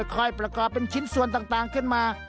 ประกอบเป็นชิ้นส่วนต่างขึ้นมา